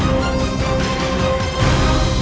aku sudah menemukan siliwangi